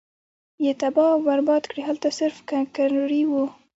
ئي تباه او برباد کړې!! هلته صرف کرکنړي او